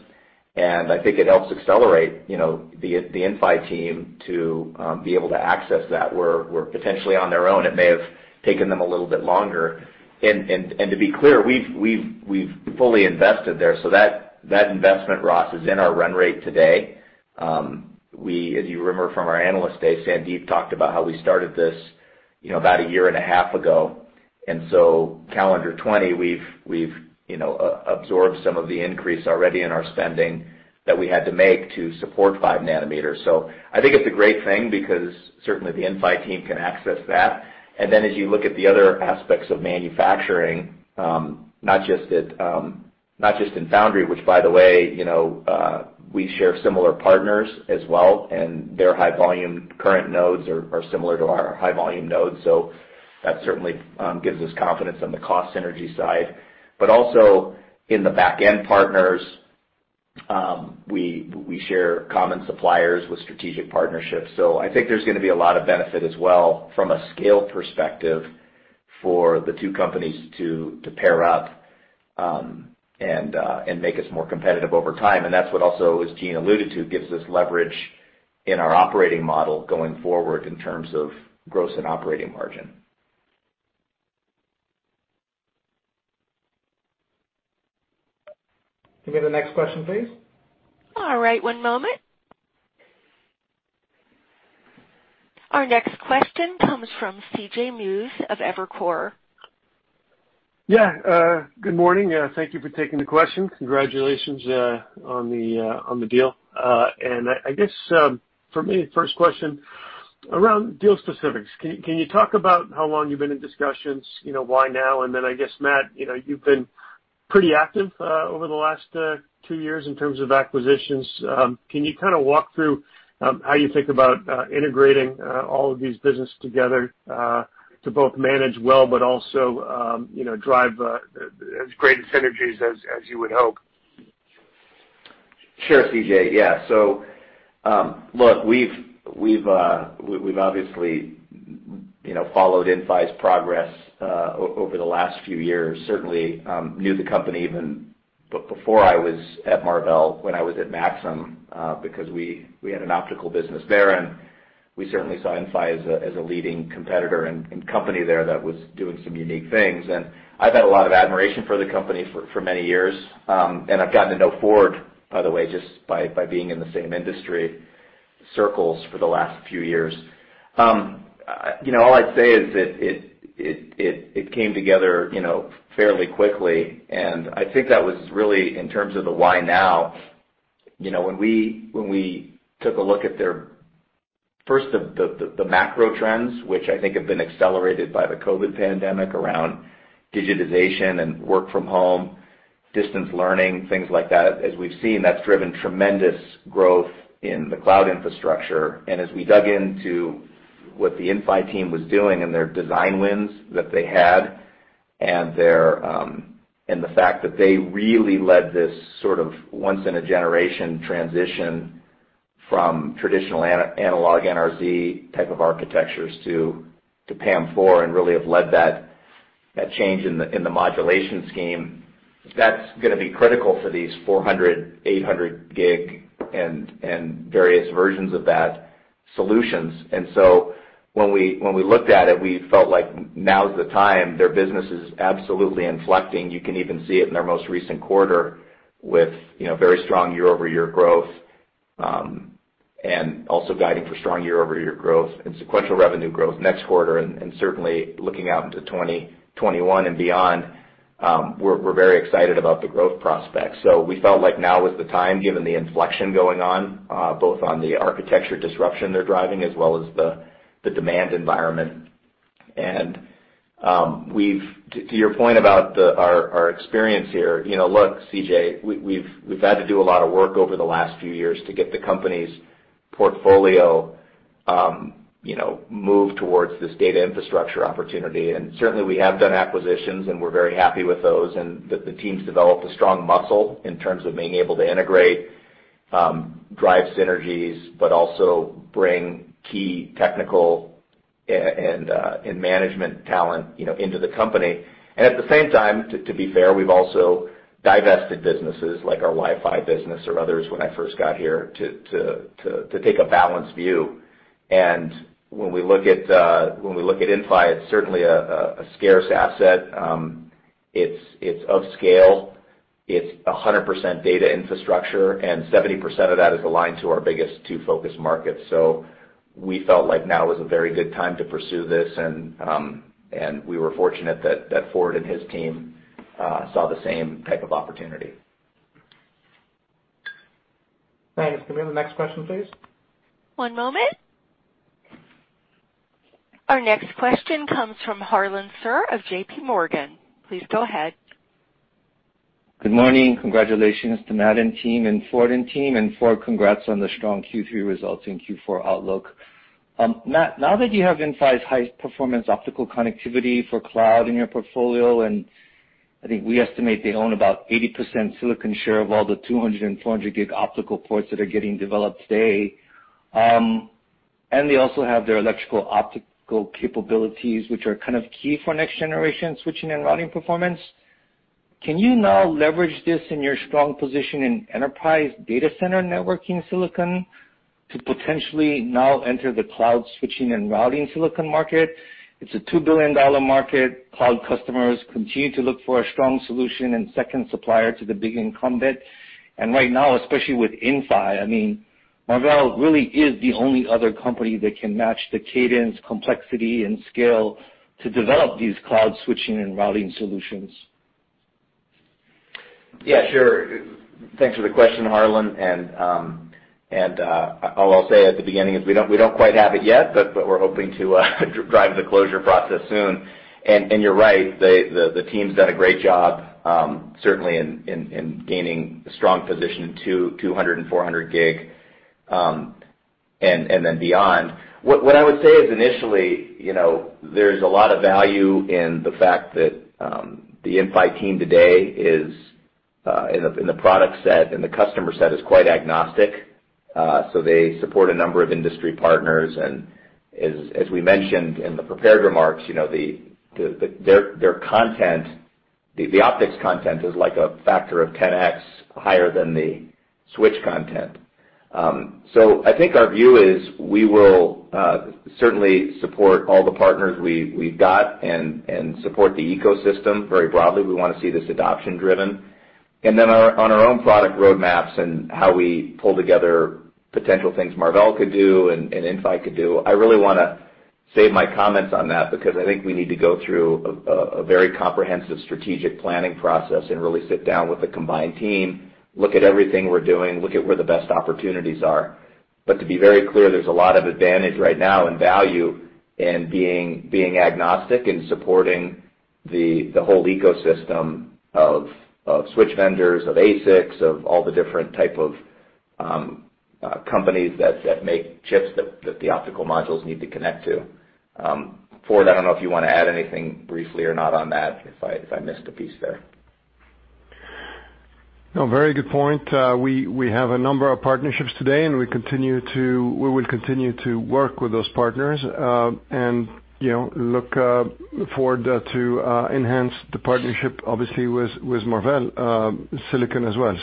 I think it helps accelerate the Inphi team to be able to access that, where potentially on their own, it may have taken them a little bit longer. To be clear, we've fully invested there, so that investment, Ross, is in our run rate today. If you remember from our Investor Day, Sandeep talked about how we started this about a year and a half ago. Calendar 2020, we've absorbed some of the increase already in our spending that we had to make to support 5nm. I think it's a great thing because certainly the Inphi team can access that. As you look at the other aspects of manufacturing, not just in foundry, which by the way, we share similar partners as well, and their high volume current nodes are similar to our high volume nodes. That certainly gives us confidence on the cost synergy side. Also in the back end partners, we share common suppliers with strategic partnerships. I think there's going to be a lot of benefit as well from a scale perspective for the two companies to pair up and make us more competitive over time. That's what also, as Jean alluded to, gives us leverage in our operating model going forward in terms of gross and operating margin.
Can we have the next question, please?
All right. One moment. Our next question comes from CJ Muse of Evercore.
Yeah. Good morning. Thank you for taking the question. Congratulations on the deal. I guess for me, first question, around deal specifics. Can you talk about how long you've been in discussions? Why now? Then, I guess, Matt, you've been pretty active over the last two years in terms of acquisitions. Can you kind of walk through how you think about integrating all of these business together to both Marvell but also drive as great synergies as you would hope?
Sure, CJ. Yeah. Look, we've obviously followed Inphi's progress over the last few years. Certainly knew the company even before I was at Marvell when I was at Maxim because we had an optical business there and we certainly saw Inphi as a leading competitor and company there that was doing some unique things. I've had a lot of admiration for the company for many years. I've gotten to know Ford, by the way, just by being in the same industry circles for the last few years. All I'd say is it came together fairly quickly, and I think that was really in terms of the why now. When we took a look at first the macro trends, which I think have been accelerated by the COVID pandemic around digitization and work from home, distance learning, things like that, as we've seen, that's driven tremendous growth in the cloud infrastructure. As we dug into what the Inphi team was doing and their design wins that they had and the fact that they really led this sort of once in a generation transition from traditional analog NRZ type of architectures to PAM-4 and really have led that change in the modulation scheme, that's going to be critical for these 400G, 800G, and various versions of that solutions. When we looked at it, we felt like now's the time. Their business is absolutely inflecting. You can even see it in their most recent quarter with very strong year-over-year growth and also guiding for strong year-over-year growth and sequential revenue growth next quarter and certainly looking out into 2021 and beyond. We're very excited about the growth prospects. We felt like now was the time, given the inflection going on, both on the architecture disruption they're driving as well as the demand environment. To your point about our experience here, look, CJ, we've had to do a lot of work over the last few years to get the company's portfolio moved towards this data infrastructure opportunity. Certainly we have done acquisitions, and we're very happy with those and that the team's developed a strong muscle in terms of being able to integrate, drive synergies, but also bring key technical and management talent into the company. At the same time, to be fair, we've also divested businesses like our Wi-Fi business or others when I first got here to take a balanced view. When we look at Inphi, it's certainly a scarce asset. It's of scale. It's 100% data infrastructure, and 70% of that is aligned to our biggest two focus markets. We felt like now was a very good time to pursue this, and we were fortunate that Ford and his team saw the same type of opportunity.
Thanks. Can we have the next question, please?
One moment. Our next question comes from Harlan Sur of J.P. Morgan. Please go ahead.
Good morning. Congratulations to Matt and team and Ford and team. Ford, congrats on the strong Q3 results and Q4 outlook. Matt, now that you have Inphi's high-performance optical connectivity for cloud in your portfolio, and I think we estimate they own about 80% silicon share of all the 200 and 400 gig optical ports that are getting developed today. They also have their electrical optical capabilities, which are kind of key for next-generation switching and routing performance. Can you now leverage this in your strong position in enterprise data center networking silicon to potentially now enter the cloud switching and routing silicon market? It's a $2 billion market. Cloud customers continue to look for a strong solution and second supplier to the big incumbent. Right now, especially with Inphi, Marvell really is the only other company that can match the cadence, complexity, and scale to develop these cloud switching and routing solutions.
Yeah, sure. Thanks for the question, Harlan. All I'll say at the beginning is we don't quite have it yet but we're hoping to drive the closure process soon. You're right, the team's done a great job, certainly in gaining a strong position to 200G and 400G, and then beyond. What I would say is initially, there's a lot of value in the fact that the Inphi team today is, in the product set and the customer set, is quite agnostic. They support a number of industry partners, and as we mentioned in the prepared remarks, their content, the optics content, is like a factor of 10x higher than the switch content. I think our view is we will certainly support all the partners we've got and support the ecosystem very broadly. We want to see this adoption driven. Then on our own product roadmaps and how we pull together potential things Marvell could do and Inphi could do, I really want to save my comments on that because I think we need to go through a very comprehensive strategic planning process and really sit down with the combined team, look at everything we're doing, look at where the best opportunities are. To be very clear, there's a lot of advantage right now and value in being agnostic and supporting the whole ecosystem of switch vendors, of ASICs, of all the different type of companies that make chips that the optical modules need to connect to. Ford, I don't know if you want to add anything briefly or not on that, if I missed a piece there.
No, very good point. We have a number of partnerships today, we will continue to work with those partners. Look forward to enhance the partnership, obviously, with Marvell Silicon as well.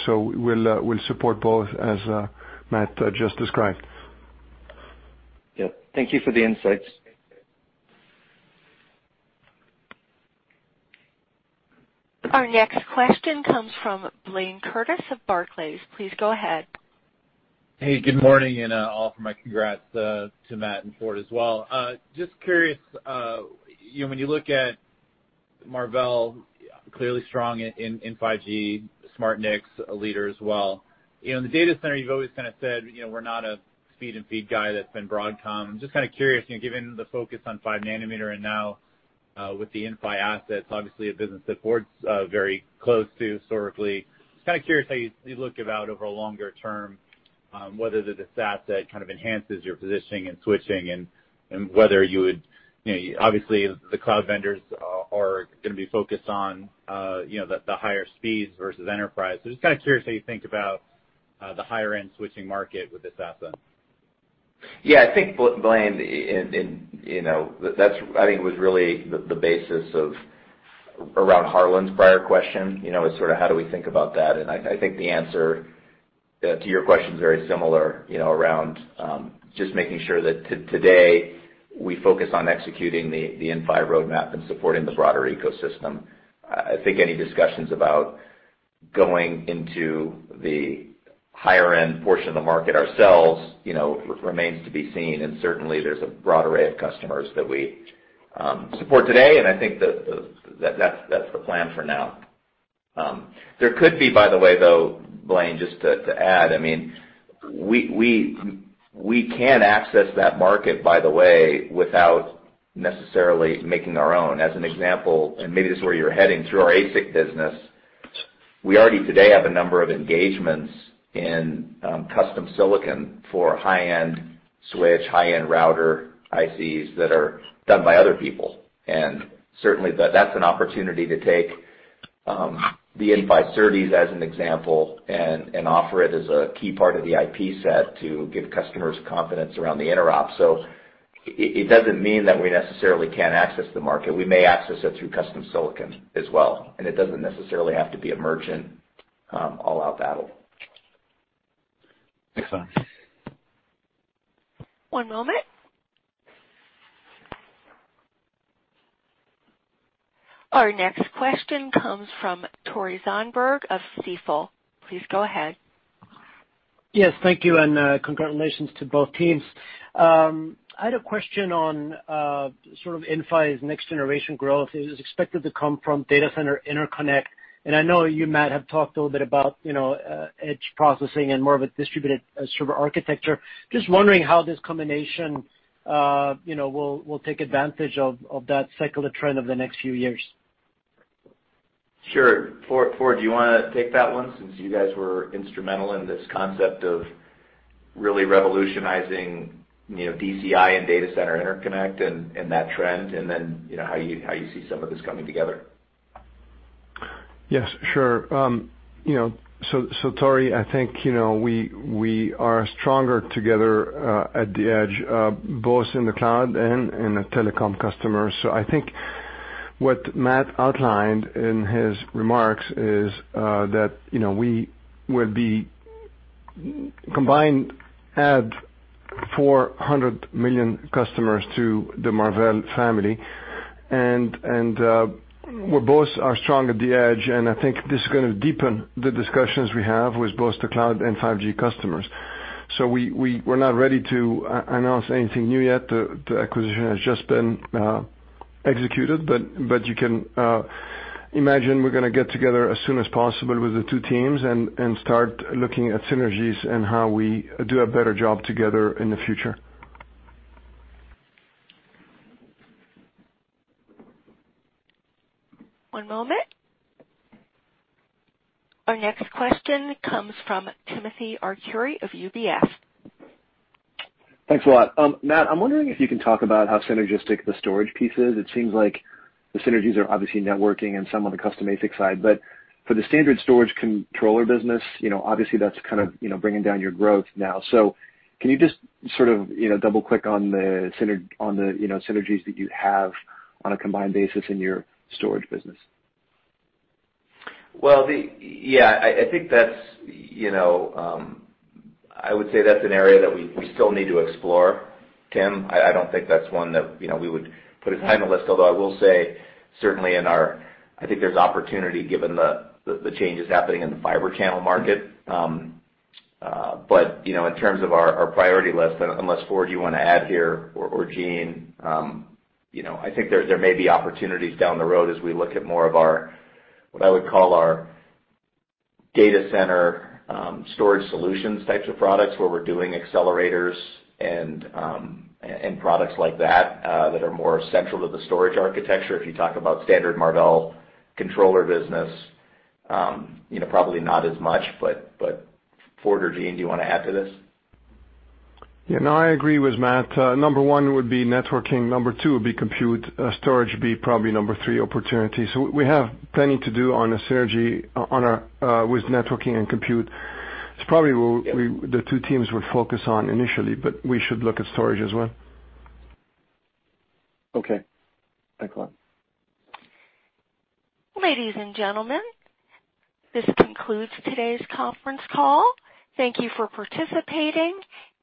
We'll support both as Matt just described.
Yep. Thank you for the insights.
Our next question comes from Blayne Curtis of Barclays. Please go ahead.
Hey, good morning, and all of my congrats to Matt and Ford as well. Just curious, when you look at Marvell, clearly strong in 5G, SmartNICs a leader as well. In the data center, you've always kind of said, We're not a speed and feed guy that's been Broadcom. I'm just kind of curious, given the focus on 5nm and now with the Inphi assets, obviously a business that Ford's very close to historically. Just kind of curious how you look about over a longer term, whether it is an asset that kind of enhances your positioning in switching and obviously, the cloud vendors are going to be focused on the higher speeds versus enterprise. Just kind of curious how you think about the higher-end switching market with this asset.
I think, Blayne, that I think was really the basis of around Harlan's prior question, is sort of how do we think about that? I think the answer to your question is very similar, around just making sure that today we focus on executing the Inphi roadmap and supporting the broader ecosystem. I think any discussions about going into the higher-end portion of the market ourselves remains to be seen, certainly there's a broad array of customers that we support today, and I think that's the plan for now. There could be, by the way, though, Blayne, just to add, we can access that market, by the way, without necessarily making our own. As an example, maybe this is where you're heading, through our ASIC business, we already today have a number of engagements in custom silicon for high-end switch, high-end router ICs that are done by other people. Certainly, that's an opportunity to take the Inphi services as an example and offer it as a key part of the IP set to give customers confidence around the interop. It doesn't mean that we necessarily can't access the market. We may access it through custom silicon as well, it doesn't necessarily have to be a merchant all-out battle.
Thanks, Matt.
One moment. Our next question comes from Tore Svanberg of Stifel. Please go ahead.
Yes, thank you, and congratulations to both teams. I had a question on sort of Inphi's next-generation growth. It is expected to come from data center interconnect. I know you, Matt, have talked a little bit about edge processing and more of a distributed server architecture. Just wondering how this combination will take advantage of that secular trend over the next few years.
Sure. Ford, do you want to take that one since you guys were instrumental in this concept of really revolutionizing DCI and data center interconnect and that trend. How you see some of this coming together?
Yes, sure. Tore, I think we are stronger together at the edge, both in the cloud and in the telecom customer. I think what Matt outlined in his remarks is that we will be combined, add 400 million customers to the Marvell family. We both are strong at the edge, and I think this is going to deepen the discussions we have with both the cloud and 5G customers. We're not ready to announce anything new yet. The acquisition has just been executed, you can imagine we're going to get together as soon as possible with the two teams and start looking at synergies and how we do a better job together in the future.
One moment. Our next question comes from Timothy Arcuri of UBS.
Thanks a lot. Matt, I'm wondering if you can talk about how synergistic the storage piece is. It seems like the synergies are obviously networking and some on the custom ASIC side. For the standard storage controller business, obviously that's kind of bringing down your growth now. Can you just sort of double-click on the synergies that you have on a combined basis in your storage business?
Well, yeah, I would say that's an area that we still need to explore, Tim. I don't think that's one that we would put at the top of the list, although I will say certainly I think there's opportunity given the changes happening in the Fiber Channel market. In terms of our priority list, unless Ford you want to add here, or Jean, I think there may be opportunities down the road as we look at more of our, what I would call our data center storage solutions types of products, where we're doing accelerators and products like that that are more central to the storage architecture. If you talk about standard Marvell controller business, probably not as much, Ford or Jean, do you want to add to this?
Yeah, no, I agree with Matt. Number one would be networking. Number two would be compute. Storage would be probably number three opportunity. We have plenty to do on synergy with networking and compute. It's probably where the two teams would focus on initially, but we should look at storage as well.
Okay. Thanks a lot.
Ladies and gentlemen, this concludes today's conference call. Thank you for participating,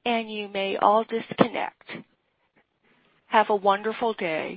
and you may all disconnect. Have a wonderful day.